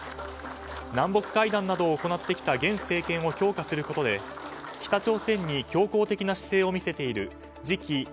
南北会談などを行ってきた現政権を強化することで北朝鮮に強硬的な姿勢を見せている次期